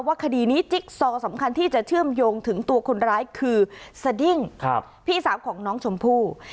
คดีนี้จิ๊กซอสำคัญที่จะเชื่อมโยงถึงตัวคนร้ายคือสดิ้งพี่สาวของน้องชมพู่